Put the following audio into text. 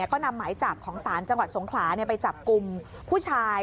ก็นำหมายจับของศาลจังหวัดสงขลาไปจับกลุ่มผู้ชาย